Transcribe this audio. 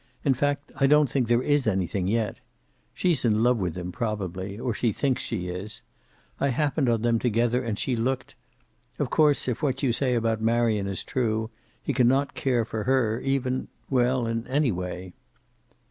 In fact, I don't think there is anything yet. She's in love with him, probably, or she thinks she is. I happened on them together, and she looked Of course, if what you say about Marion is true, he can not care for her, even, well, in any way."